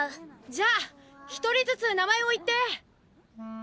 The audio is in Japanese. じゃあひとりずつ名前を言って。